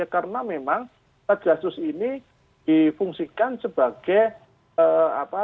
karena memang saat gasus ini difungsikan sebagai apa